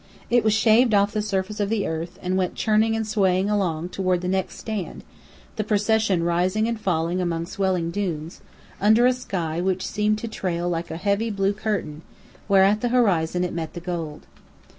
It was shaved off the surface of the earth, and went churning and swaying along toward the next stand; the procession rising and falling among swelling dunes, under a sky which seemed to trail like a heavy blue curtain, where at the horizon it met the gold.